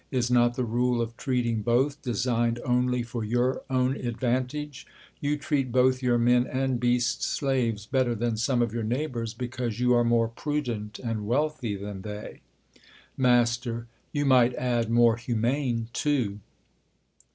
is not the rule of treating both designed only for your own advantage ? You treat both your men and beast slaves better than some of your neighbours, because you are more prudent and wealthy than they. Mast, You might add, more humane too.